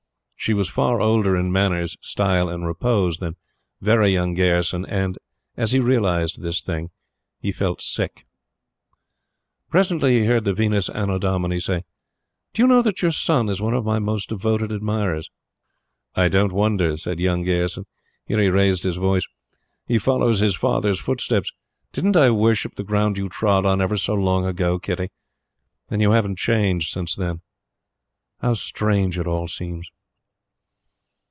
She was far older in manners, style and repose than "Very Young" Gayerson; and, as he realized this thing, he felt sick. Presently, he heard the Venus Annodomini saying: "Do you know that your son is one of my most devoted admirers?" "I don't wonder," said "Young" Gayerson. Here he raised his voice: "He follows his father's footsteps. Didn't I worship the ground you trod on, ever so long ago, Kitty and you haven't changed since then. How strange it all seems!"